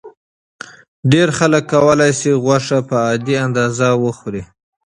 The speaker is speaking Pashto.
ډېر خلک کولی شي غوښه په عادي اندازه وخوري.